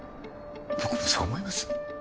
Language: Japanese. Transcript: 僕もそう思います